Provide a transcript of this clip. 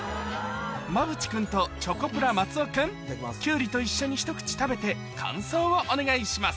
馬淵君とチョコプラ・松尾君きゅうりと一緒にひと口食べて感想をお願いします